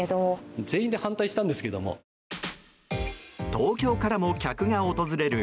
東京からも客が訪れる